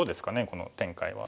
この展開は。